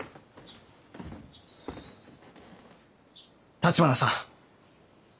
立花さん。